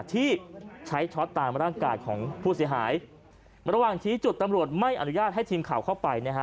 ที่ใช้ช็อตตามร่างกายของผู้เสียหายระหว่างชี้จุดตำรวจไม่อนุญาตให้ทีมข่าวเข้าไปนะฮะ